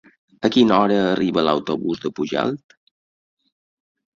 A quina hora arriba l'autobús de Pujalt?